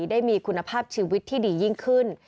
ได้มีคุณภาพชีวิตที่ดียิ่งขึ้น